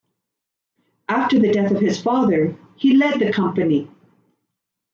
After the death of his father, he led the company.